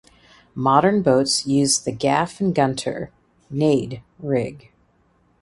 Modern boats used the gaff and gunter ("nade") rig.